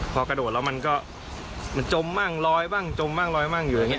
พอกระโดดแล้วมันก็มันจมบ้างลอยบ้างจมบ้างลอยมั่งอยู่อย่างนี้